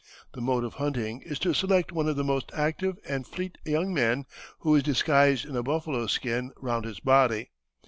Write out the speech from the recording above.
The mode of hunting is to select one of the most active and fleet young men, who is disguised in a buffalo skin round his body.